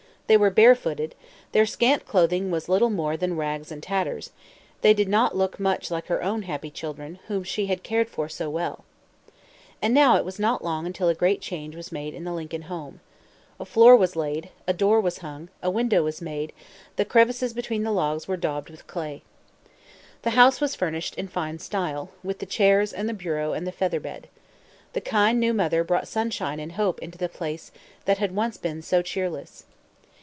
They were barefooted; their scant clothing was little more than rags and tatters; they did not look much like her own happy children, whom she had cared for so well. And now it was not long until a great change was made in the Lincoln home. A floor was laid, a door was hung, a window was made, the crevices between the logs were daubed with clay. The house was furnished in fine style, with the chairs and the bureau and the feather bed. The kind, new mother brought sunshine and hope into the place that had once been so cheerless.